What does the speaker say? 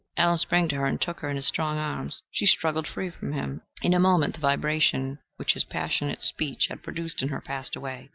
Allen sprang to her and took her in his strong arms: she struggled free from him. In a moment the vibration which his passionate speech had produced in her passed away.